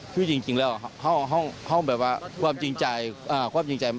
คือจริงแล้วห้องแบบว่าความจริงใจ